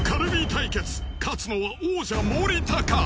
対決勝つのは王者・森田か？